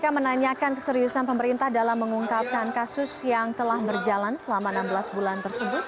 kpk menanyakan keseriusan pemerintah dalam mengungkapkan kasus yang telah berjalan selama enam belas bulan tersebut